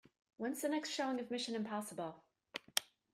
When's the next showing of Mission: Impossible?